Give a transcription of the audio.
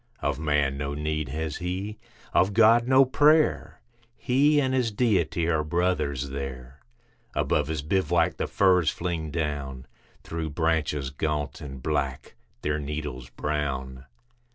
Of man no need has he, of God, no prayer; He and his Deity are brothers there. Above his bivouac the firs fling down Through branches gaunt and black, their needles brown.